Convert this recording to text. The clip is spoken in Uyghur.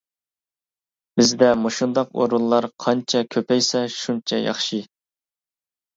بىزدە مۇشۇنداق ئورۇنلار قانچە كۆپەيسە شۇنچە ياخشى.